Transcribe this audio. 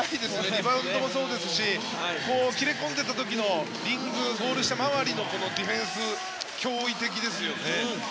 リバウンドもそうですし切れ込んでいった時のリングゴール下周りのディフェンス驚異的ですよね。